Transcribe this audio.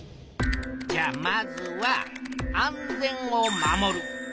じゃあまずは「安全を守る」。